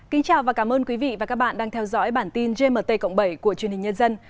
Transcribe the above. xin chào và cảm ơn quý vị và các bạn đang theo dõi bản tin gmt cộng bảy của truyền hình nhân dân